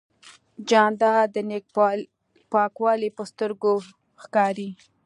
جانداد د نیت پاکوالی په سترګو ښکاري.